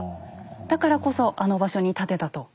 だからこそあの場所に建てたと。